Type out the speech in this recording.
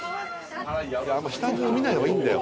下見ないほうがいいんだよ。